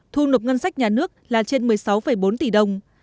thu nộp ngân sách nhà nước là trên một mươi sáu bốn tỷ đồng